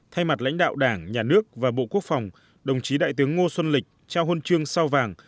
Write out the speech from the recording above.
thay mặt lãnh đạo đảng nhà nước và bộ quốc phòng đồng chí đại tướng ngô xuân lịch trao huân chương sao vàng